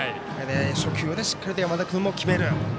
初球でしっかり山田君も決める。